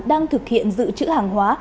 đang thực hiện giữ chữ hàng hóa